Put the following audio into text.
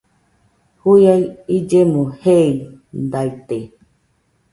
Juia illeno jeeidaite